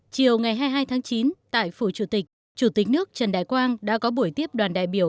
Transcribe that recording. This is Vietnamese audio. chiều ngày hai mươi hai tháng chín tại phủ chủ tịch chủ tịch nước trần đại quang đã có buổi tiếp đoàn đại biểu